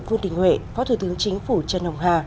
vương đình huệ phó thủ tướng chính phủ trần hồng hà